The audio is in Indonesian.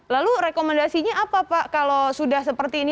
lalu rekomendasinya apa pak kalau sudah seperti ini